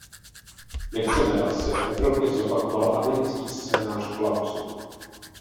Nechceme, aby se v Evropě zopakoval americký scénář kolapsu.